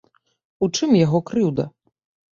У чым яго крыўда?